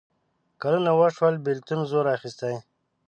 کلونه وشول بېلتون زور اخیستی.